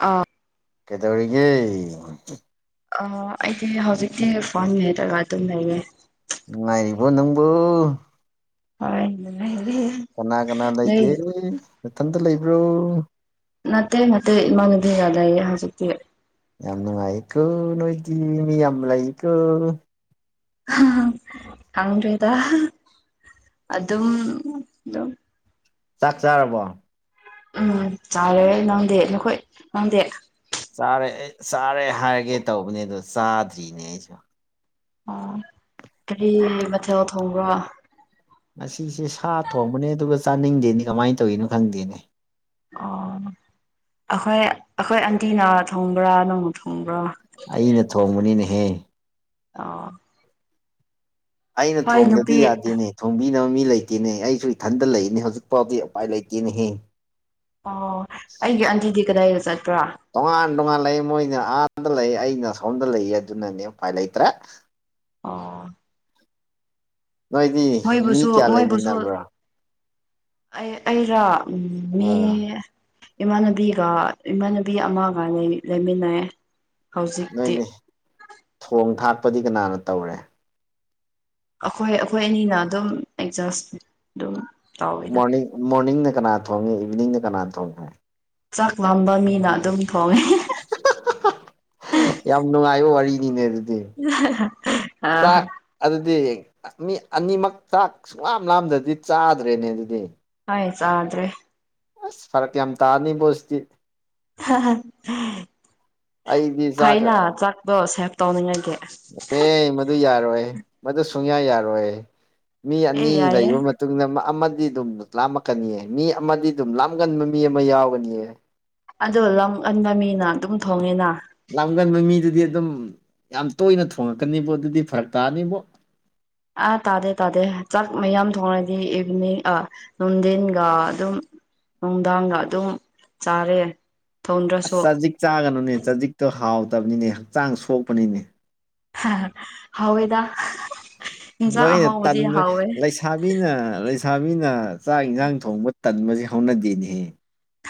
ꯑꯥ ꯀꯩꯗꯧꯔꯤꯒꯦ ꯑꯥ ꯑꯩꯗꯤ ꯍꯧꯖꯤꯛꯇꯤ ꯐꯣꯟ ꯃꯦꯠꯂꯒ ꯑꯗꯨꯝ ꯂꯩꯌꯦ ꯅꯨꯡꯉꯥꯏꯔꯤꯕꯣ ꯅꯪꯕꯨ ꯍꯣꯏ ꯅꯨꯡꯉꯥꯏꯔꯤ ꯀꯅꯥ ꯀꯅꯥ ꯂꯩꯒꯦ ꯅꯊꯟꯇ ꯂꯩꯕ꯭ꯔꯣ ꯅꯠꯇꯦ ꯅꯠꯇꯦ ꯏꯃꯟꯅꯕꯤꯒ ꯂꯩꯌꯦ ꯍꯧꯖꯤꯛꯇꯤ ꯌꯥꯝ ꯅꯨꯡꯉꯥꯏꯑꯀꯣ ꯅꯣꯏꯗꯤ ꯃꯤ ꯌꯥꯝ ꯂꯩꯀꯣ ꯈꯪꯗ꯭ꯔꯦꯗ ꯑꯗꯨꯝ ꯗꯨꯝ ꯆꯥꯛ ꯆꯥꯔꯕꯣ ꯎꯝ ꯆꯥꯔꯦ ꯅꯪꯗꯦ ꯅꯈꯣꯏ ꯅꯪꯗꯦ ꯆꯥꯔꯦ ꯑꯩ ꯆꯥꯔꯦ ꯍꯥꯏꯔꯒꯦ ꯇꯧꯕꯅꯦ ꯑꯗꯣ ꯆꯥꯗ꯭ꯔꯤꯅꯦ ꯑꯩꯁꯨ ꯑꯣ ꯀꯔꯤ ꯃꯊꯦꯜ ꯊꯣꯡꯕ꯭ꯔꯣ ꯉꯥꯁꯤꯁꯦ ꯁꯥ ꯊꯣꯡꯕꯅꯦ ꯑꯗꯨꯒ ꯆꯥꯅꯤꯡꯗꯦꯅꯤ ꯀꯃꯥꯏ ꯇꯧꯋꯤꯅꯣ ꯈꯪꯗꯦꯅꯦ ꯑꯣ ꯑꯩꯈꯣꯏ ꯑꯩꯈꯣꯏ ꯑꯟꯇꯤꯅ ꯊꯣꯡꯕ꯭ꯔꯥ ꯅꯪꯅ ꯊꯣꯡꯕ꯭ꯔꯥ ꯑꯩꯅ ꯊꯣꯡꯕꯅꯤꯅꯦꯍꯦ ꯑꯣ ꯑꯩꯅ ꯍꯣꯏ ꯊꯣꯡꯗꯗꯤ ꯅꯨꯄꯤ ꯌꯥꯗꯦꯅꯦ ꯊꯣꯡꯕꯤꯅꯕ ꯃꯤ ꯂꯩꯇꯦꯅꯦ ꯑꯩꯁꯨ ꯏꯊꯟꯇ ꯂꯩꯅꯦ ꯍꯧꯖꯤꯛꯐꯥꯎꯗꯤ ꯎꯄꯥꯏ ꯂꯩꯇꯦꯅꯦꯍꯦ ꯑꯣ ꯑꯩꯒꯤ ꯑꯟꯇꯤꯗꯤ ꯀꯗꯥꯏꯗ ꯆꯠꯄ꯭ꯔꯥ ꯇꯣꯉꯥꯟ ꯇꯣꯉꯥꯟ ꯂꯩ ꯃꯣꯏꯅ ꯑꯥꯗ ꯂꯩ ꯑꯩꯅ ꯑꯁꯣꯝꯗ ꯂꯩꯌꯦ ꯑꯗꯨꯅꯅꯦ ꯎꯄꯥꯏ ꯂꯩꯇ꯭ꯔꯦ ꯑꯣ ꯅꯣꯏꯗꯤ ꯃꯤ ꯃꯣꯏꯕꯨꯁꯨ ꯀꯌꯥ ꯃꯣꯏꯕꯨꯁꯨ ꯂꯩꯃꯤꯟꯅꯕ꯭ꯔꯥ ꯑꯩ ꯑꯩꯔ ꯃꯤ ꯑꯥ ꯏꯃꯥꯟꯅꯕꯤꯒ ꯏꯃꯥꯟꯅꯕꯤ ꯑꯃꯒ ꯂꯩꯃꯤꯟꯅꯦꯌꯦ ꯅꯣꯏꯅꯤ ꯊꯣꯡ ꯊꯥꯛꯄꯗꯤ ꯀꯅꯥꯅ ꯇꯧꯔꯦ ꯑꯩꯈꯣꯏ ꯑꯩꯈꯣꯏ ꯑꯅꯤꯅ ꯑꯗꯨꯝ ꯑꯦꯠꯖꯁ ꯑꯗꯨꯝ ꯇꯧꯋꯤꯗ ꯃꯣꯔꯅꯤꯡꯗ ꯀꯅꯥ ꯊꯣꯡꯉꯦ ꯏꯚꯤꯅꯤꯡꯗ ꯀꯅꯥ ꯊꯣꯡꯉꯦ ꯆꯥꯛ ꯂꯥꯝꯕ ꯃꯤꯅ ꯑꯗꯨꯝ ꯐꯣꯡꯉꯦ ꯌꯥꯝ ꯅꯨꯡꯉꯥꯏꯕ ꯋꯥꯔꯤꯅꯤꯅꯦ ꯑꯗꯨꯗꯤ ꯑꯥ ꯆꯥꯛ ꯑꯗꯨꯗꯤ ꯃꯤ ꯑꯅꯤꯃꯛ ꯆꯥꯛ ꯁꯨꯡꯂꯥꯝ ꯂꯥꯝꯗ꯭ꯔꯗꯤ ꯆꯥꯗ꯭ꯔꯦꯅꯦ ꯑꯗꯨꯗꯤ ꯍꯥꯏ ꯆꯥꯗ꯭ꯔꯦ ꯑꯁ ꯐꯥꯔꯛ ꯌꯥꯝ ꯇꯥꯔꯅꯤꯕꯣ ꯁꯇꯤ ꯑꯩꯗꯤ ꯆꯥꯛ ꯐꯩꯅ ꯆꯥꯛꯄꯣ ꯁꯦꯞ ꯇꯧꯅꯤꯡꯉꯥꯏꯒꯤ ꯑꯦ ꯃꯗꯨ ꯌꯥꯔꯣꯏ ꯃꯗꯨ ꯁꯨꯡꯌꯥ ꯌꯥꯔꯣꯏ ꯃꯤ ꯑꯦ ꯑꯅꯤ ꯌꯥꯏꯌꯦ ꯂꯩꯕ ꯇꯨꯡꯗ ꯑꯃꯗꯤ ꯑꯗꯨꯝ ꯂꯥꯝꯃꯛꯀꯅꯤꯌꯦ ꯃꯤ ꯑꯃꯗꯤ ꯑꯗꯨꯝ ꯂꯥꯝꯒꯟꯕ ꯃꯤ ꯑꯃ ꯌꯥꯎꯒꯅꯤꯌꯦ ꯑꯗꯣ ꯂꯝꯒꯟꯕ ꯃꯤꯅ ꯑꯗꯨꯝ ꯊꯣꯡꯉꯦꯅ ꯂꯥꯝꯒꯟꯕ ꯃꯤꯗꯨꯗꯤ ꯑꯗꯨꯝ ꯌꯥꯝ ꯇꯣꯏꯅ ꯊꯣꯡꯉꯛꯀꯅꯤꯕꯣ ꯑꯗꯨꯗꯤ ꯐꯥꯔꯛ ꯇꯥꯅꯤꯕꯣ ꯑꯥ ꯇꯥꯗꯦ ꯇꯥꯗꯦ ꯆꯥꯛ ꯃꯌꯥꯝ ꯊꯣꯡꯂꯗꯤ ꯏꯚꯤꯅꯤꯡ ꯑꯥ ꯅꯨꯡꯗꯤꯟꯒ ꯑꯗꯨꯝ ꯅꯨꯡꯗꯥꯡꯒ ꯑꯗꯨꯝ ꯆꯥꯔꯦ ꯑꯁ ꯊꯣꯡꯗ꯭ꯔꯁꯨ ꯆꯖꯤꯛ ꯆꯥꯒꯅꯨꯅꯦ ꯆꯖꯤꯛꯇꯣ ꯍꯥꯎꯇꯕꯅꯤꯅꯦ ꯍꯛꯆꯥꯡ ꯁꯣꯛꯄꯅꯤꯅꯦ ꯍꯥꯍꯥ ꯍꯥꯎꯋꯦꯗ ꯏꯟꯁꯥꯡ ꯅꯣꯏꯅ ꯑꯍꯥꯎꯕꯗꯤ ꯇꯟꯕꯩ ꯍꯥꯎꯋꯦ ꯂꯩꯁ ꯁꯥꯕꯤꯅ ꯂꯩꯁꯥꯕꯤꯅ ꯆꯥꯛ ꯏꯟꯖꯥꯡ ꯊꯣꯡꯕ ꯇꯟꯕꯁꯤ ꯍꯧꯅꯗꯦꯅꯦꯍꯦ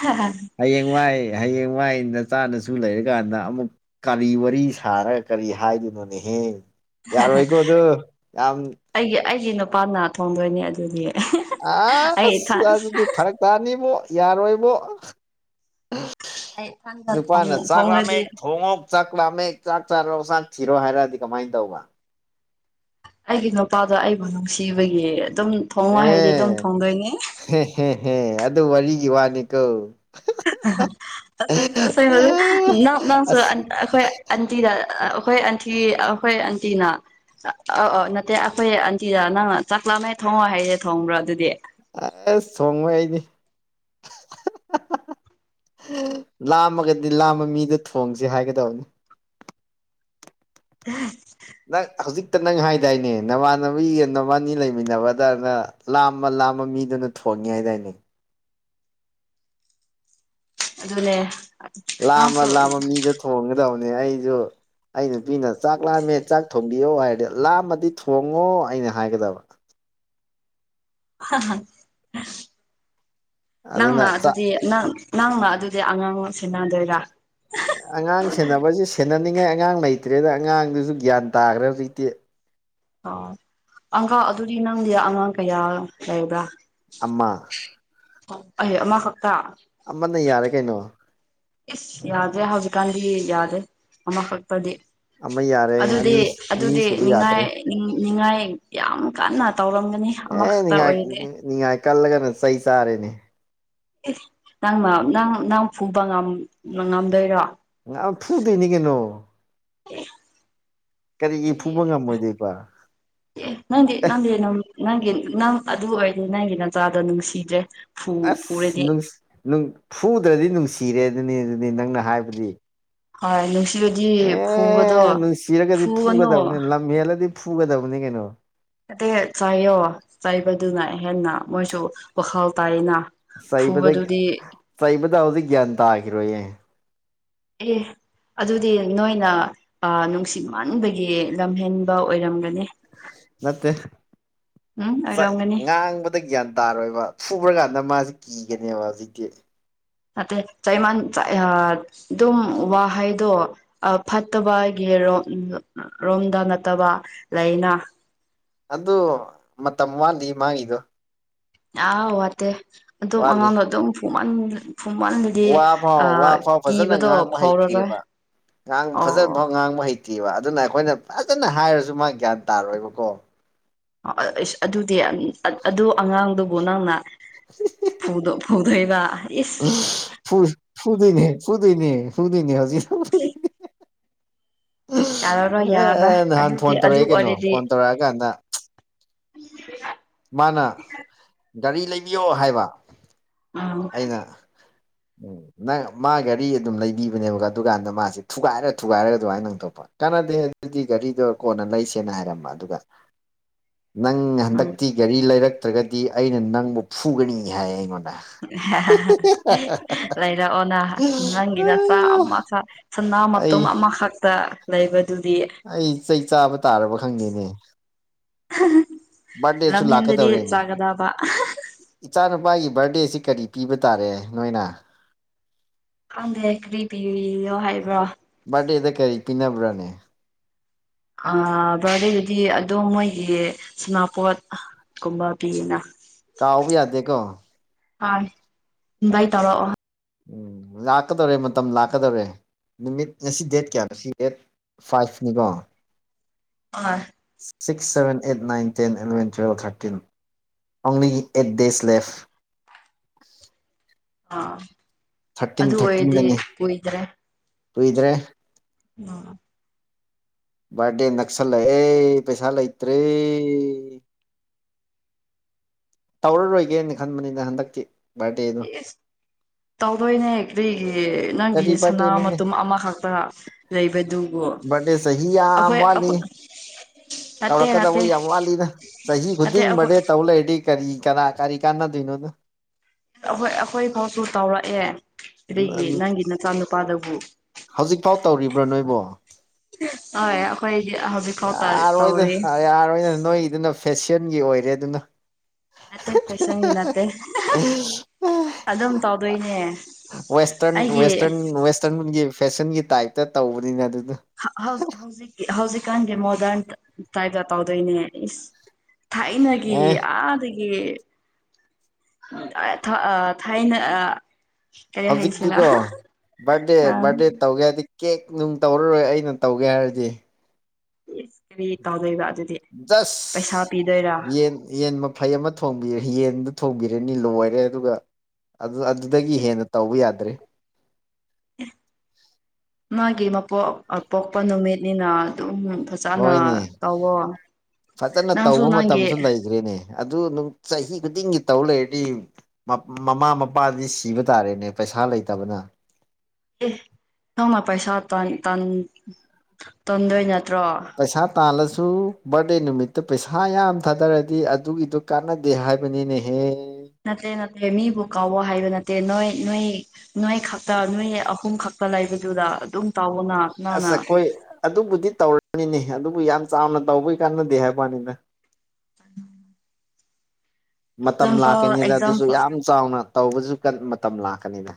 ꯍ ꯍ ꯍꯌꯦꯡꯋꯥꯏ ꯍꯌꯦꯡꯋꯥꯏ ꯅꯆꯥ ꯅꯁꯨ ꯂꯩꯔꯀꯥꯟꯗ ꯑꯃꯨꯛ ꯀꯔꯤ ꯋꯥꯔꯤ ꯁꯥꯔꯒ ꯀꯔꯤ ꯍꯥꯏꯗꯣꯏꯅꯣꯅꯦꯍꯦ ꯌꯥꯔꯣꯏꯀꯣ ꯑꯗꯨ ꯌꯥꯝ ꯑꯩꯒꯤ ꯑꯩꯒꯤ ꯅꯨꯄꯥꯅ ꯊꯣꯡꯗꯣꯏꯅꯤ ꯑꯗꯨꯗꯤ ꯑꯩ ꯏꯊꯥ ꯑꯁ ꯑꯗꯨꯗꯤ ꯐꯔꯛ ꯇꯥꯅꯤꯕꯣ ꯌꯥꯔꯣꯏꯕꯣ ꯑꯩ ꯏꯊꯟꯗ ꯊꯣꯡ ꯅꯨꯄꯥꯅ ꯆꯥꯛ ꯂꯥꯝꯃꯦ ꯊꯣꯡꯔꯗꯤ ꯊꯣꯡꯉꯣ ꯆꯥꯛ ꯂꯥꯝꯃꯦ ꯆꯥꯛ ꯆꯥꯔꯣ ꯆꯥꯛ ꯊꯤꯔꯣ ꯍꯥꯏꯔꯛꯑꯗꯤ ꯀꯃꯥꯏ ꯇꯧꯕ ꯑꯩꯒꯤ ꯅꯨꯄꯥꯗꯣ ꯑꯩꯕꯨ ꯅꯨꯡꯁꯤꯕꯒꯤ ꯑꯗꯨꯝ ꯊꯣꯡꯉꯣ ꯍꯥꯏꯔꯗꯤ ꯑꯗꯨꯝ ꯊꯣꯡꯗꯣꯏꯅꯤ ꯍꯦꯍꯦ ꯑꯗꯨ ꯋꯥꯔꯤꯒꯤ ꯋꯥꯅꯤꯀꯣ ꯑꯁꯦꯡ ꯑꯁꯦꯡꯕ ꯂꯣꯏ ꯅꯥꯞ ꯅꯥꯞꯁꯨ ꯑꯁ ꯑꯩꯈꯣꯏ ꯑꯟꯇꯤꯗ ꯑꯩꯈꯣꯏ ꯑꯟꯇꯤ ꯑꯩꯈꯣꯏ ꯑꯟꯇꯤꯅ ꯑꯧ ꯑꯧ ꯅꯠꯇꯦ ꯑꯩꯈꯣꯏ ꯑꯟꯇꯤꯗ ꯅꯪꯅ ꯆꯥꯛ ꯂꯥꯝꯃꯦ ꯊꯣꯡꯉꯣ ꯍꯥꯏꯔꯗꯤ ꯊꯣꯡꯕ꯭ꯔꯣ ꯑꯗꯨꯗꯤ ꯑꯁ ꯁꯣꯡꯉꯣꯏ ꯑꯩꯗꯤ ꯂꯥꯝꯃꯒꯗꯤ ꯂꯥꯝꯕ ꯃꯤꯗ ꯊꯣꯡꯖꯦ ꯍꯥꯏꯒꯗꯧꯅꯤ [unintelligible] ꯅꯪ ꯍꯧꯖꯤꯛꯇ ꯅꯪ ꯍꯥꯏꯗꯥꯏꯅꯦ ꯅꯃꯥꯟꯅꯕꯤꯒ ꯅꯕꯥꯏꯅꯤ ꯂꯩꯃꯤꯟꯅꯕꯗꯅ ꯂꯥꯝꯃ ꯂꯥꯝꯃ ꯃꯤꯗꯨꯅ ꯊꯣꯡꯉꯦ ꯍꯥꯏꯗꯥꯏꯅꯦ ꯑꯗꯨꯅꯦ ꯂꯥꯝꯃ ꯅꯪꯁꯨ ꯂꯥꯝꯃ ꯃꯤꯗ ꯊꯣꯡꯒꯗꯕꯅꯦ ꯑꯩꯖꯨ ꯑꯩ ꯅꯨꯄꯤꯅ ꯆꯥꯛ ꯂꯥꯝꯃꯦ ꯆꯥꯛ ꯊꯣꯡꯕꯤꯌꯣ ꯍꯥꯏꯔꯗꯤ ꯂꯥꯝꯃꯗꯤ ꯊꯣꯡꯉꯣ ꯑꯩꯅ ꯍꯥꯏꯒꯗꯕ ꯑꯗꯨꯅ ꯅꯪꯅ ꯆꯥꯛ ꯑꯗꯨꯗꯤ ꯅꯪ ꯅꯪꯅ ꯑꯗꯨꯗꯤ ꯑꯉꯥꯡ ꯁꯦꯟꯅꯗꯣꯏꯔꯥ ꯑꯉꯥꯡ ꯁꯦꯟꯅꯕꯖꯦ ꯁꯦꯟꯅꯅꯤꯡꯉꯥꯏ ꯑꯉꯥꯡ ꯂꯩꯇ꯭ꯔꯦꯗ ꯑꯉꯥꯡꯗꯨꯖꯨ ꯒ꯭ꯌꯥꯟ ꯇꯥꯒ꯭ꯔꯦ ꯍꯧꯖꯤꯛꯇꯤ ꯑꯣ ꯑꯪꯀꯜ ꯑꯗꯨꯗꯤ ꯅꯪꯗꯤ ꯑꯉꯥꯡ ꯀꯌꯥ ꯂꯩꯕ꯭ꯔꯥ ꯑꯃ ꯑꯩ ꯑꯃ ꯈꯛꯇꯥ ꯑꯃꯅ ꯌꯥꯔꯦ ꯀꯩꯅꯣ ꯏꯁ ꯌꯥꯗ꯭ꯔꯦ ꯍꯧꯖꯤꯛꯀꯥꯟꯗꯤ ꯌꯥꯗꯦ ꯑꯃꯈꯛꯇꯗꯤ ꯑꯃ ꯌꯥ ꯑꯗꯨꯗꯤ ꯑꯗꯨꯗꯤ ꯅꯤꯡꯉꯥꯏ ꯅꯤꯡꯉꯥꯏ ꯌꯥꯝ ꯀꯟꯅ ꯇꯧꯔꯝꯒꯅꯤ ꯑꯃ ꯑꯦ ꯅꯤꯡꯉꯥꯏ ꯅꯤꯡꯉꯥꯏ ꯀꯜꯂꯒꯅ ꯆꯩ ꯆꯥꯔꯦꯅꯦ ꯏꯁ ꯅꯪꯅ ꯅꯪ ꯅꯪ ꯐꯨꯕ ꯉꯝ ꯉꯝꯗꯣꯏꯔꯣ ꯉꯝ ꯐꯨꯗꯣꯏꯅꯤ ꯀꯩꯅꯣ ꯑꯦ ꯀꯔꯤꯒꯤ ꯐꯨꯕ ꯉꯝꯃꯣꯏꯗꯣꯏꯕ ꯑꯦ ꯅꯪꯗꯤ ꯅꯪꯗꯤ ꯅꯝ ꯅꯪꯒꯤ ꯅꯪ ꯑꯗꯨ ꯑꯣꯏꯔꯗꯤ ꯅꯪꯒꯤ ꯅꯆꯥꯗꯣ ꯅꯨꯡꯁꯤꯗ꯭ꯔꯦ ꯐꯨ ꯑꯁ ꯐꯨꯔꯗꯤ ꯅꯨꯡꯁ ꯅꯨꯡ ꯐꯨꯗ꯭ꯔꯗꯤ ꯅꯨꯡꯁꯤꯔꯦ ꯑꯗꯨꯅꯤ ꯑꯗꯨꯅꯤ ꯅꯪꯅ ꯍꯥꯏꯕꯗꯤ ꯍꯣꯏ ꯅꯨꯡꯁꯤꯕꯗꯤ ꯐꯨꯕꯗꯣ ꯑꯦ ꯐꯨꯒꯅꯨ ꯃꯦꯜꯂꯗꯤ ꯐꯨꯒꯗꯕꯅꯤ ꯀꯩꯅꯣ ꯅꯠꯇꯦꯍꯦ ꯆꯩꯌꯣ ꯆꯩꯕꯗꯨꯅ ꯍꯦꯟꯅ ꯃꯣꯏꯁꯨ ꯋꯥꯈꯜ ꯇꯥꯏꯅ ꯆꯩꯕꯗꯒꯤ ꯐꯨꯕꯗꯨꯗꯤ ꯆꯩꯕꯗ ꯍꯧꯖꯤꯛ ꯒ꯭ꯌꯥꯟ ꯇꯥꯈꯤꯔꯣꯏꯌꯦ ꯑꯦ ꯑꯗꯨꯗꯤ ꯅꯣꯏꯅ ꯑ ꯅꯨꯡꯁꯤꯃꯟꯕꯒꯤ ꯂꯝꯍꯦꯟꯕ ꯑꯣꯏꯔꯝꯒꯅꯤ ꯅꯠꯇꯦ ꯎꯝ ꯆꯩ ꯑꯣꯏꯔꯝꯒꯅꯤ ꯉꯥꯡꯕ ꯗ ꯒ꯭ꯌꯥꯟ ꯇꯥꯔꯣꯏꯕ ꯐꯨꯕ꯭ꯔꯀꯥꯟꯗ ꯃꯥꯖꯦ ꯀꯤꯒꯅꯦꯕ ꯍꯧꯖꯤꯛꯇꯤ ꯅꯠꯇꯦ ꯆꯩꯃꯥꯟ ꯆꯥꯛꯑꯦ ꯍꯥꯏꯕ ꯗꯨꯝ ꯋꯥꯍꯩꯗꯣ ꯐꯠꯇꯕꯒꯤ ꯔꯣꯝ ꯔꯣꯝꯗ ꯅꯠꯇꯕ ꯂꯩꯅ ꯑꯗꯨ ꯃꯇꯝ ꯋꯥꯠꯂꯤ ꯃꯥꯒꯤꯗꯣ ꯑꯥ ꯋꯥꯗꯦ ꯑꯗꯨꯝ ꯋꯥꯠꯂꯤ ꯑꯉꯥꯡꯗꯣ ꯑꯗꯨꯝ ꯐꯨꯃꯟ ꯐꯨꯝꯃꯟꯗꯗꯤ ꯋꯥ ꯑ ꯐꯥꯎ ꯋꯥ ꯐꯥꯎ ꯐꯖꯅ ꯀꯤꯕꯗꯣ ꯐꯥꯎꯔꯔꯣꯏ ꯍꯩꯇ꯭ꯔꯤꯑꯕ ꯉꯥꯡꯕ ꯑꯣ ꯐꯖꯅ ꯐꯥꯎ ꯉꯥꯡꯕ ꯍꯩꯇꯦꯕ ꯑꯗꯨꯅ ꯑꯩꯈꯣꯏꯅ ꯐꯖꯅ ꯍꯥꯏꯔꯁꯨ ꯃꯥ ꯒ꯭ꯌꯥꯟ ꯇꯥꯔꯣꯏꯕꯀꯣ ꯑꯗꯨꯗꯤ ꯑꯗꯨ ꯑꯉꯥꯡꯗꯨꯕꯨ ꯅꯪꯅ ꯐꯨꯗꯣ ꯎꯊꯣꯏꯕ ꯏꯁ ꯐꯨ ꯐꯨꯗꯣꯏꯅꯦ ꯐꯨꯗꯣꯏꯅꯦ ꯐꯨꯗꯣꯏꯅꯦ ꯍꯧꯖꯤꯛ ꯌꯥꯔꯔꯣꯏ [unintelligible] ꯌꯥꯔꯔꯣꯏ ꯑꯦ ꯅꯍꯥꯟ ꯑꯗꯨꯗꯤ ꯐꯣꯟ ꯑꯗꯨ ꯇꯧꯔꯛꯏ ꯀꯩꯅꯣ ꯑꯣꯏꯔꯗꯤ ꯐꯣꯟ ꯇꯧꯔꯛꯑꯀꯥꯟꯗ ꯃꯥꯅ ꯒꯥꯔꯤ ꯂꯩꯕꯤꯌꯣ ꯍꯥꯏꯕ ꯎꯝ ꯑꯩꯅ ꯎꯝ ꯅꯪ ꯃꯥ ꯒꯥꯔꯤ ꯑꯗꯨꯝ ꯂꯩꯕꯤꯕꯅꯦꯕ ꯗꯨꯀꯥꯟꯗ ꯃꯥꯁꯦ ꯊꯨꯒꯥꯏꯔ ꯊꯨꯒꯥꯏꯔꯒ ꯑꯗꯨꯃꯥꯏꯅ ꯇꯧꯕ ꯀꯥꯟꯅꯗꯦ ꯑꯗꯨꯗꯤ ꯒꯥꯔꯤꯗꯣ ꯀꯣꯟꯅ ꯂꯩꯁꯦꯅ ꯍꯥꯏꯔꯝꯕ ꯑꯗꯨꯒ ꯅꯪ ꯎꯝ ꯍꯟꯗꯛ ꯒꯥꯔꯤ ꯂꯩꯔꯛꯇ꯭ꯔꯒꯗꯤ ꯑꯩꯅ ꯅꯪꯕꯨ ꯐꯨꯒꯅꯤ ꯍꯥꯏ ꯑꯩꯉꯣꯟꯗ [unintelligible] ꯂꯩꯔꯛꯑꯣꯅ ꯅꯪꯒꯤ ꯅꯆꯥ ꯑꯃꯈꯛ ꯁꯅꯥ ꯑꯩ ꯃꯇꯨꯝ ꯑꯃꯈꯛꯇ ꯂꯩꯕꯗꯨꯗꯤ ꯑꯩ ꯆꯩ ꯆꯥꯕ ꯇꯥꯔꯕ ꯈꯪꯗꯦꯅꯦ ꯕꯥꯔꯠꯗꯦꯁꯨ ꯂꯝꯍꯦꯟꯗꯗꯤ ꯂꯥꯛꯀꯗꯧꯔꯦꯅꯦ ꯆꯥꯒꯗꯕ ꯏꯆꯥꯅꯨꯄꯥꯒꯤ ꯕꯥꯔꯗꯦꯁꯤ ꯀꯔꯤ ꯄꯤꯕ ꯇꯥꯔꯦ ꯅꯣꯏꯅ ꯈꯪꯗ ꯀꯔꯤ ꯄꯤꯌꯣ ꯍꯥꯏꯕ꯭ꯔꯣ ꯕꯥꯔꯗꯦꯗ ꯀꯔꯤ ꯄꯤꯅꯕꯔꯥꯅꯦ ꯑ ꯕꯥꯔꯗꯦꯗꯨꯗꯤ ꯑꯗꯣ ꯃꯣꯏꯒꯤ ꯁꯥꯅꯄꯣꯠ ꯀꯨꯝꯕ ꯄꯤꯌꯦꯅ ꯀꯥꯎꯕ ꯌꯥꯗꯦꯀꯣ ꯍꯣꯏ ꯏꯟꯚꯥꯏꯠ ꯇꯧꯔꯛꯑꯣ ꯎꯝ ꯂꯥꯛꯀꯗꯧꯔꯦ ꯃꯇꯝ ꯂꯥꯛꯀꯗꯧꯔꯦ ꯅꯨꯃꯤꯠ ꯉꯁꯤ ꯗꯦꯠ ꯀꯌꯥꯅꯣ ꯁꯤ date ꯐꯥꯏꯚꯅꯤꯀꯣ [unintelligible] six seven eight nine ten eleven twelve thirteen ꯑꯣꯡꯂꯤ ꯑꯩꯠ ꯗꯦꯖ ꯂꯦꯞꯐ ꯑꯥ ꯊꯥꯔꯇꯤꯟ ꯑꯗꯨ ꯑꯣꯏꯔꯗꯤ ꯊꯥꯔꯇꯤꯟꯗꯅꯤ ꯀꯨꯏꯗ꯭ꯔꯦ ꯀꯨꯏꯗ꯭ꯔꯦ [unintelligible] ꯕꯥꯔꯠꯗꯦ ꯅꯛꯁꯟꯂꯛ ꯑꯦ ꯄꯩꯁꯥ ꯂꯩꯇ꯭ꯔꯦ ꯇꯧꯔꯔꯣꯏꯒꯦꯅ ꯈꯟꯕꯅꯤꯅ ꯍꯟꯗꯛꯇꯤ ꯕꯥꯔꯗꯦ ꯏꯁ ꯇꯧꯗꯣꯏꯅꯦ ꯀꯔꯤꯒꯤ ꯅꯪꯒꯤ ꯀꯔꯤ ꯁꯅꯥ ꯕꯥꯔꯗꯦꯅꯣꯅꯦ ꯃꯇꯨꯝ ꯑꯃꯈꯛꯇ ꯂꯩꯕꯗꯨꯕꯨ ꯕꯥꯔꯗꯦ ꯆꯍꯤ ꯌꯥꯝ ꯋꯥꯠꯂꯤ ꯑꯩꯈꯣꯏ ꯅꯠꯇꯦ ꯇꯧꯔꯛꯀꯗꯕ ꯅꯠꯇꯦ ꯌꯥꯝ ꯋꯥꯠꯂꯤꯅ ꯆꯍꯤ ꯅꯠꯇꯦ ꯈꯨꯗꯤꯡ ꯑꯩꯈꯣꯏ ꯕꯔꯗꯦ ꯇꯧ ꯂꯩꯔꯗꯤ ꯀꯔꯤ ꯀꯅꯥ ꯀꯔꯤ ꯀꯥꯟꯅ ꯗꯨꯏꯅꯣꯗ ꯑꯩꯈꯣꯏ ꯑꯩꯈꯣꯏ ꯐꯥꯎꯁꯨ ꯇꯥꯎꯔꯛꯑꯦ ꯀꯔꯤꯒꯤ ꯅꯪꯒꯤ ꯅꯆꯥ ꯅꯨꯄꯥꯗꯕꯨ ꯍꯧꯖꯤꯛꯐꯥꯎ ꯇꯧꯔꯤꯕ꯭ꯔꯥ ꯅꯣꯏꯕꯣ ꯍꯣꯏ ꯑꯩꯈꯣꯏꯗꯤ ꯍꯧꯖꯤꯛꯐꯥꯎ ꯌꯥꯔꯣꯏꯗ ꯇꯧꯔꯤ ꯌꯥꯔꯣꯏꯅ ꯅꯣꯏꯗꯨꯅ ꯐꯦꯁꯟꯒꯤ ꯑꯣꯏꯔꯦ ꯑꯗꯨꯅ ꯅꯠꯇꯦ ꯐꯦꯁꯟꯒꯤ ꯅꯠꯇꯦ ꯑꯗꯨꯝ ꯇꯧꯗꯣꯏꯅꯦ ꯑꯩꯒꯤ ꯏꯁꯇꯔꯟꯒꯤ ꯐꯦꯁꯟꯒꯤ ꯇꯥꯏꯞꯇ ꯇꯧꯕꯅꯤꯅ ꯑꯗꯨꯅ ꯍꯧ ꯍꯧꯖꯤꯛꯀꯤ ꯍꯧꯖꯤꯛꯀꯥꯟꯒꯤ ꯃꯣꯗꯔꯟ ꯇꯥꯏꯞꯒ ꯇꯧꯗꯣꯏꯅꯦ ꯏꯁ ꯊꯥꯏꯅꯒꯤ ꯑꯦ ꯑꯥꯗꯒꯤ [unintelligible] ꯊꯥꯏꯅ [unintelligible] ꯀꯔꯤ ꯍꯥꯏꯁꯤꯔꯥ ꯍꯧꯖꯤꯛꯀꯤꯗꯣ ꯕꯥꯔꯗꯦ ꯑꯥ ꯕꯥꯔꯗꯦ ꯇꯧꯒꯦ ꯍꯥꯏꯔꯗꯤ ꯀꯦꯛ ꯅꯨꯡ ꯇꯧꯔꯔꯣꯏ ꯑꯩꯅ ꯇꯧꯒꯦ ꯍꯥꯏꯔꯗꯤ ꯏꯁ ꯀꯔꯤ ꯇꯧꯗꯣꯏꯕ ꯑꯗꯨꯗꯤ ꯄꯩꯁꯥ ꯗꯁ ꯄꯤꯗꯣꯏꯔꯥ ꯌꯦꯟ ꯌꯦꯟ ꯃ ꯐꯩ ꯑꯃ ꯊꯣꯡꯕꯤꯔ ꯌꯦꯟꯗꯨ ꯊꯣꯡꯕꯤꯔꯅꯤ ꯂꯣꯏꯔꯦ ꯑꯗꯨꯒ ꯑꯗꯨ ꯑꯗꯨꯗꯒꯤ ꯍꯦꯟꯅ ꯇꯧꯕ ꯌꯥꯗ꯭ꯔꯦ ꯃꯥꯒꯤ ꯃꯣꯛ ꯄꯣꯛꯄ ꯅꯨꯃꯤꯠꯅꯤꯅ ꯑꯗꯨꯝ ꯐꯖ ꯍꯣꯏꯅꯦ ꯐꯖꯅ ꯅꯪꯁꯨ ꯇꯧꯕ ꯅꯪꯒꯤ ꯃꯇꯝꯁꯨ ꯂꯩꯈ꯭ꯔꯦꯅꯦ ꯑꯗꯨ ꯆꯍꯤ ꯈꯨꯗꯤꯡꯒꯤ ꯇꯧ ꯂꯩꯔꯗꯤ ꯃꯃꯥ ꯃꯄꯥꯗꯤ ꯁꯤꯕ ꯇꯥꯔꯦꯅꯦ ꯄꯩꯁꯥ ꯂꯩꯇꯕꯅ ꯑꯦ ꯅꯧꯅ ꯄꯩꯁꯥ ꯇꯟꯗꯣꯏ ꯅꯠꯇ꯭ꯔꯣ ꯄꯩꯁꯥ ꯇꯥꯜꯂꯁꯨ ꯕꯥꯔꯗꯦ ꯅꯨꯃꯤꯠꯇ ꯄꯩꯁꯥ ꯌꯥꯝ ꯊꯥꯗꯔꯗꯤ ꯑꯗꯨꯒꯤꯗꯨ ꯀꯥꯟꯅꯗꯦ ꯍꯥꯏꯕꯅꯤꯅꯦꯍꯦ ꯅꯠꯇꯦ ꯅꯠꯇꯦ ꯃꯤꯕꯨ ꯀꯥꯎꯋ ꯍꯥꯏꯕ ꯅꯠꯇꯦ ꯅꯣꯏ ꯅꯣꯏ ꯅꯣꯏ ꯈꯛꯇ ꯅꯣꯏ ꯑꯍꯨꯝ ꯈꯛꯇ ꯂꯩꯕꯗꯨꯗ ꯑꯗꯨꯝ ꯇꯥꯎꯅ ꯑꯁ ꯑꯩꯈꯣꯏ ꯑꯗꯨꯕꯨꯗꯤ ꯇꯧꯔꯅꯤꯅꯦ ꯑꯗꯨꯕꯨ ꯌꯥꯝ ꯆꯥꯎꯅ ꯇꯧꯕꯩ ꯀꯥꯟꯅꯗꯦ ꯍꯥꯏꯕꯅꯤꯅ ꯃꯇꯝ ꯑꯦꯛꯖꯥꯝꯄꯜ ꯂꯥꯛꯀꯅꯤꯗ ꯑꯗꯨꯁꯨ ꯑꯦꯛꯖꯥꯝꯄꯜ ꯌꯥꯝ ꯆꯥꯎꯅ ꯇꯧꯕꯁꯨ ꯃꯇꯝ ꯂꯥꯛꯀꯅꯤꯗ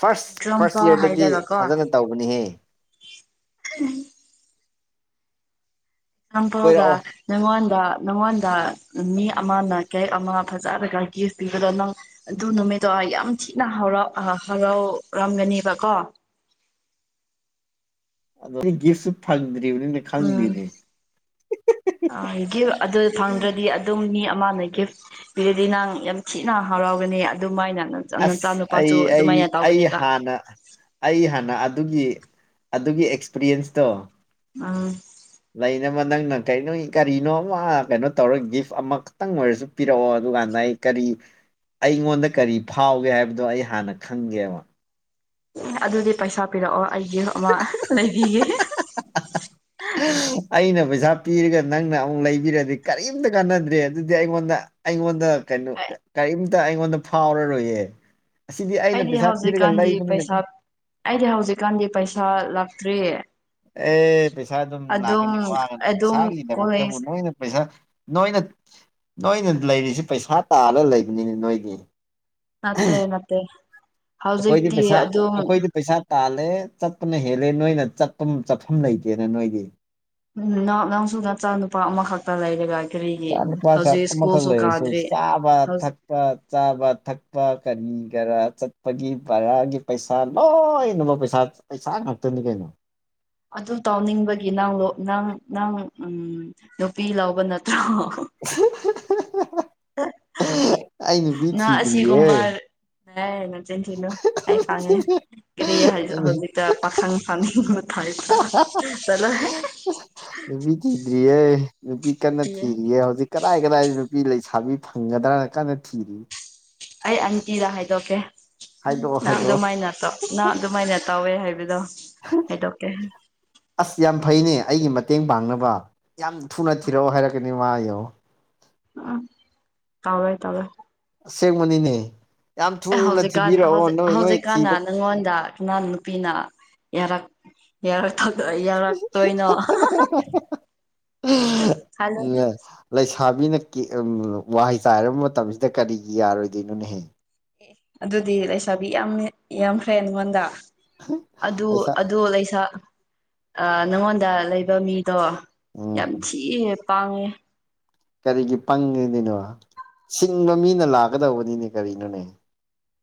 ꯐꯥꯔꯁ ꯐꯥꯔꯁ ꯑꯦꯛꯖꯥꯝꯄꯜ ꯏꯌꯥꯔꯗꯗꯤ ꯍꯥꯏꯔꯒ ꯀꯣ ꯐꯖꯅ ꯇꯧꯕꯅꯤꯍꯦ ꯑꯝꯕꯥꯎꯗ ꯀꯣꯏꯔꯛꯑꯣ ꯅꯉꯣꯟꯗ ꯅꯪꯉꯣꯟꯗ ꯃꯤ ꯑꯃꯅ ꯀꯦꯛ ꯑꯃ ꯐꯖꯔꯒ ꯒꯤꯐ ꯄꯤꯕꯗꯣ ꯅꯪ ꯑꯗꯨ ꯅꯨꯃꯤꯠꯇꯣ ꯌꯥꯝ ꯊꯤꯅ ꯍꯔꯥꯎ ꯍꯔꯥꯎꯔꯝꯒꯅꯦꯕꯀꯣ ꯑꯗꯨ ꯒꯤ ꯒꯤꯞꯁꯨ ꯐꯪꯗ꯭ꯔꯤ ꯎꯝꯒꯤ ꯑꯗꯨ ꯐꯪꯗ꯭ꯔꯗꯤ ꯑꯗꯨꯝ ꯃꯤ ꯑꯃꯅ ꯒꯤꯐ ꯄꯤꯔꯗꯤ ꯅꯪ ꯌꯥꯝ ꯊꯤꯅ ꯍꯔꯥꯎꯒꯅꯤ ꯑꯗꯨꯃꯥꯏꯅ ꯑꯁ ꯅꯆꯥ ꯑꯩ ꯅꯨꯨꯄꯥꯁꯨ ꯑꯩ ꯑꯗꯨꯃꯥꯏꯅ ꯑꯩ ꯇꯧꯒꯅꯦꯕ ꯍꯥꯟꯅ ꯑꯩ ꯍꯥꯟꯅ ꯑꯗꯨꯒꯤ ꯑꯗꯨꯒꯤ ꯑꯦꯛꯁꯄꯤꯔꯤꯌꯦꯟꯁꯇꯣ ꯎꯝ ꯂꯩꯅꯕ ꯅꯪꯅ ꯀꯔꯤ ꯀꯔꯤꯅꯣ ꯑꯃ ꯀꯩꯅꯣ ꯇꯧꯔ ꯒꯤꯐ ꯑꯃꯈꯛꯇꯪ ꯑꯣꯏꯔꯁꯨ ꯄꯤꯔꯛꯑꯣ ꯑꯗꯨꯀꯥꯟꯗ ꯑꯩ ꯀꯔꯤ ꯑꯩꯉꯣꯟꯗ ꯀꯔꯤ ꯐꯥꯎꯒꯦ ꯍꯥꯏꯕꯗꯣ ꯑꯩ ꯍꯥꯟꯅ ꯈꯪꯒꯦꯕ ꯑꯗꯨꯗꯤ ꯄꯩꯁꯥ ꯄꯤꯔꯛꯑꯣ ꯑꯩ ꯒꯤꯞ ꯑꯃ ꯂꯩꯕꯤꯒꯦ [unintelligible] ꯑꯩꯅ ꯄꯩꯁꯥ ꯄꯤꯔꯒ ꯅꯪꯅ ꯑꯃꯨꯛ ꯂꯩꯕꯤꯔꯗꯤ ꯀꯔꯤꯝꯇ ꯀꯥꯟꯅꯗ꯭ꯔꯦ ꯑꯗꯨꯗꯤ ꯑꯩꯉꯣꯟꯗ ꯑꯩꯉꯣꯟꯗ ꯀꯩꯅꯣ ꯀꯔꯤꯝꯇ ꯑꯩꯉꯣꯟꯗ ꯐꯥꯎꯔꯔꯣꯏꯌꯦ ꯑꯁꯤꯗꯤ ꯑꯩꯅ ꯑꯩꯗꯤ ꯄꯩꯁꯥ ꯄꯤꯔꯒ ꯍꯧꯖꯤꯛꯀꯥꯟꯗꯤ ꯂꯩꯕꯅꯤꯅ ꯄꯩꯁꯥ ꯑꯩꯗꯤ ꯍꯧꯖꯤꯛꯀꯥꯟꯗꯤ ꯄꯩꯁꯥ ꯂꯥꯛꯇ꯭ꯔꯤꯌꯦ ꯑꯦ ꯄꯩꯁꯥ ꯑꯗꯨꯝ ꯂꯥꯛꯀꯅꯤ ꯋꯥꯒꯅꯤ ꯑꯗꯨꯝ ꯄꯩꯁꯥꯒꯤꯗꯃꯛꯇꯕꯨ ꯀꯣꯂꯦꯖ ꯅꯣꯏꯅ ꯄꯩꯁꯥ ꯅꯣꯏꯅ ꯅꯣꯏꯅ ꯂꯩꯔꯤꯁꯤ ꯄꯩꯁꯥ ꯇꯥꯜꯂ ꯂꯩꯕꯅꯤꯅ ꯅꯣꯏꯒꯤ ꯃꯠꯇꯦ ꯅꯠꯇꯦ ꯑꯩꯈꯣꯏꯗꯤ ꯍꯧꯖꯤꯛꯇꯤ ꯄꯩꯁꯥ ꯑꯗꯨꯝ ꯑꯩꯈꯣꯏꯗꯤ ꯄꯩꯁꯥ ꯇꯥꯜꯂꯦ ꯆꯠꯄꯅ ꯍꯦꯜꯂꯦ ꯅꯣꯏꯅ ꯆꯠꯐꯝ ꯆꯠꯐꯝ ꯂꯩꯇꯦꯅ ꯅꯣꯏꯗꯤ ꯎ ꯅꯪ ꯅꯪꯁꯨ ꯅꯆꯥ ꯅꯨꯄꯥ ꯑꯃꯈꯛꯇ ꯂꯩꯔꯦꯒ ꯄꯥꯈꯛ ꯑꯃꯈꯛ ꯂꯩꯔꯁꯨ ꯆꯥꯕ ꯊꯛ ꯆꯥꯕ ꯊꯛꯄ ꯀꯔꯤ ꯀꯔꯥ ꯆꯠꯄꯒꯤ ꯚꯔꯥꯒꯤ ꯄꯩꯁꯥ ꯂꯣꯏꯅꯃꯛ ꯄꯩꯁꯥ ꯄꯩꯁꯥ ꯉꯥꯛꯇꯅꯤ ꯀꯩꯅꯣ ꯑꯗꯨ ꯇꯥꯎꯅꯤꯡꯕꯒꯤ ꯅꯪ ꯅꯪ ꯅꯪ ꯎꯝ ꯅꯨꯄꯤ ꯂꯥꯎꯕ ꯅꯠꯇ꯭ꯔꯣ ꯑꯩ ꯅꯨꯄꯤ ꯅꯪ ꯊꯤꯗꯔꯤꯌꯦ ꯑꯁꯤꯒꯨꯝꯕ ꯑꯦ ꯅꯆꯤꯟ ꯊꯤꯅꯣ ꯑꯩ ꯈꯪꯉꯦ ꯀꯔꯤ ꯍꯧꯖꯤꯛꯇ ꯄꯥꯈꯪ ꯐꯪ ꯆꯠꯂꯣꯍꯦ ꯅꯨꯄꯤ ꯊꯤꯗ꯭ꯔꯤꯌꯦ ꯅꯨꯄꯤ ꯀꯟꯅ ꯊꯤꯔꯤꯌꯦ ꯍꯧꯖꯤꯛ ꯀꯗꯥꯏ ꯀꯗꯥꯏ ꯅꯨꯄꯤ ꯂꯩꯁꯥꯕꯤ ꯐꯪꯒꯗ꯭ꯔꯥꯅ ꯀꯟꯅ ꯊꯤꯔꯤ ꯑꯩ ꯑꯟꯇꯤꯗ ꯍꯥꯏꯗꯣꯛꯀꯦ ꯍꯥꯏꯗꯣꯛꯑꯣ ꯅꯪ ꯍꯥꯏꯗꯣꯛꯑꯣ ꯑꯗꯨꯃꯥꯏꯅꯇꯣ ꯅ ꯑꯗꯨꯃꯥꯏꯅ ꯇꯧꯋꯦ ꯍꯥꯏꯕꯗꯣ ꯍꯥꯏꯗꯣꯛꯀꯦ ꯑꯁ ꯌꯥꯝ ꯐꯩꯅꯦ ꯑꯩꯒꯤ ꯃꯇꯦꯡ ꯄꯥꯡꯅꯕ ꯌꯥꯝ ꯊꯨꯅ ꯊꯤꯔꯛꯑꯣ ꯍꯥꯏꯔꯛꯀꯅꯤ ꯃꯥ ꯌꯦꯡꯉꯨ ꯎꯝ ꯇꯧꯒꯦ ꯇꯧꯒꯦ ꯑꯁꯦꯡꯕꯅꯤꯅꯦ ꯌꯥꯝ ꯊꯨꯅ ꯊꯤꯕꯤꯔꯛꯑꯣ ꯅꯣꯏ ꯅꯣꯏ ꯊꯤꯕ ꯑꯩꯉꯣꯟꯗ ꯅꯪ ꯅꯨꯄꯤꯅ ꯌꯥꯔꯛ ꯌꯥꯎꯔꯛꯇꯗ ꯌꯥꯎꯔꯛꯇꯣꯏꯅꯣ ꯂꯩꯁꯥꯕꯤꯅ ꯋꯥꯏ ꯆꯥꯏꯔꯕ ꯃꯇꯝꯁꯤꯗ ꯀꯔꯤꯒꯤ ꯌꯥꯔꯣꯏꯗꯣꯏꯅꯣꯅꯦ ꯑꯗꯨꯗꯤ ꯂꯩꯁꯥꯕꯤ ꯌꯥꯝ ꯌꯥꯝꯈ꯭ꯔꯦ ꯅꯉꯣꯟꯗ ꯑꯗꯨ ꯄꯩꯁꯥ ꯑꯗꯨ ꯂꯩꯁꯥ ꯅꯪꯉꯣꯟꯗ ꯂꯩꯕ ꯃꯤꯗꯣ ꯎꯝ ꯌꯥꯝ ꯊꯤꯍꯦ ꯄꯥꯡꯉꯦ ꯀꯔꯤꯒꯤ ꯄꯪꯉꯤꯅꯤꯅꯣ ꯁꯤꯡꯕ ꯃꯤꯅ ꯂꯥꯛꯀꯗꯧꯕꯅꯤꯅꯦ ꯀꯔꯤꯅꯣꯅꯦ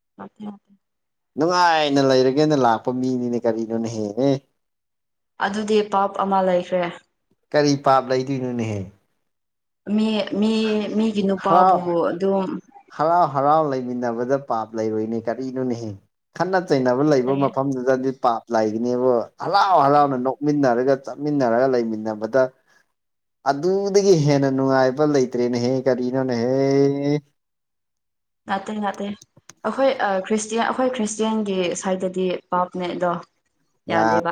[unintelligible] ꯅꯨꯡꯉꯥꯏꯅ ꯂꯩꯔꯒꯦꯅ ꯂꯥꯛꯄ ꯃꯤꯅꯤꯅꯦ ꯀꯔꯤꯅꯣꯅꯦꯍꯦ ꯍꯦ ꯑꯗꯨꯗꯤ ꯄꯥꯞ ꯑꯃ ꯂꯩꯈ꯭ꯔꯦ ꯀꯔꯤ ꯄꯥꯞ ꯂꯩꯗꯣꯏꯅꯣꯅꯦꯍꯦ ꯃꯤ ꯃꯤ ꯃꯤꯒꯤ ꯍꯔꯥꯎ ꯅꯨꯄꯥꯕꯨ ꯑꯗꯨꯝ ꯍꯔꯥꯎ ꯍꯔꯥꯎ ꯂꯩꯃꯤꯟꯅꯕꯗ ꯄꯥꯞ ꯂꯩꯔꯣꯏꯅꯦ ꯀꯔꯤꯅꯣꯅꯦ ꯍꯦ ꯈꯠꯅ ꯆꯩꯅꯕ ꯂꯩꯕ ꯃꯐꯝꯗꯨꯗꯗꯤ ꯄꯥꯞ ꯂꯩꯒꯅꯦꯕ ꯍꯔꯥꯎ ꯍꯔꯥꯎꯅ ꯅꯣꯛꯃꯤꯟꯅꯔꯒ ꯆꯠꯃꯤꯟꯅꯔꯒ ꯂꯩꯃꯤꯟꯅꯕꯗ ꯑꯗꯨꯗꯒꯤ ꯍꯦꯟꯅ ꯅꯨꯡꯉꯥꯏꯕ ꯂꯩꯇ꯭ꯔꯦꯅꯦ ꯍꯦ ꯀꯔꯤꯅꯣꯅꯦꯍꯦ ꯅꯠꯇꯦ ꯅꯠꯇꯦ ꯑꯩꯈꯣꯏ ꯈ꯭ꯔꯤꯁꯇꯤꯌꯥꯟ ꯑꯩꯈꯣꯏ ꯈ꯭ꯔꯤꯁꯇꯦꯟꯒꯤ ꯁꯥꯏꯠꯇꯗꯤ ꯄꯥꯞꯅꯦ ꯑꯗꯣ ꯌꯥ ꯌꯥꯗꯦꯕ